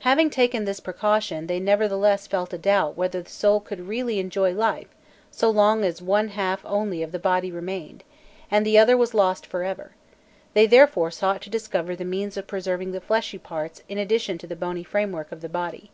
Having taken this precaution, they nevertheless felt a doubt whether the soul could really enjoy life so long as one half only of the body remained, and the other was lost for ever: they therefore sought to discover the means of preserving the fleshy parts in addition to the bony framework of the body.